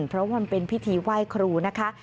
เพราะมันเป็นพิธีไหว้ครูนะคะ